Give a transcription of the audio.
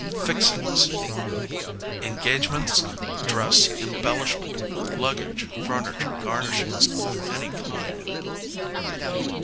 Fixings, arrangements, dress, embellishments, luggage, furniture, garnishings of any kind.